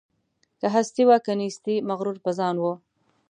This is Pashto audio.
که هستي وه که نیستي مغرور په ځان وو